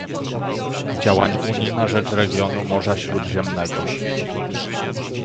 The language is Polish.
działań Unii na rzecz regionu Morza Śródziemnego